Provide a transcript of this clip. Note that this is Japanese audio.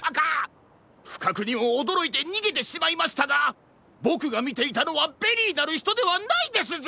ふかくにもおどろいてにげてしまいましたがボクがみていたのはベリーなるひとではないですぞ！